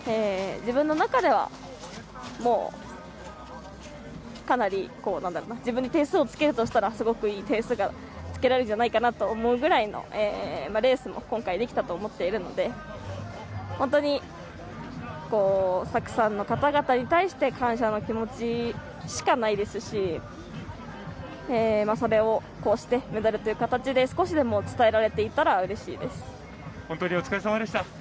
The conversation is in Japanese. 自分の中ではもうかなり自分で点数をつけるとしたらすごくいい点数がつけられるんじゃないかと思うぐらいのレースも今回、できたと思っているので本当にたくさんの方々に対して感謝の気持ちしかないですしそれをこうしてメダルという形で少しでも伝えられていたら本当にお疲れさまでした。